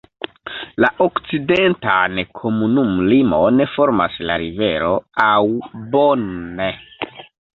La okcidentan komunumlimon formas la rivero Aubonne.